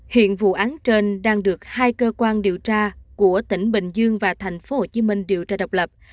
hiện vụ án trên đang được hai cơ quan điều tra của tỉnh bình dương và thành phố hồ chí minh điều tra độc lập